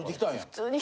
普通に。